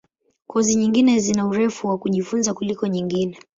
Kozi nyingine zina urefu wa kujifunza kuliko nyingine.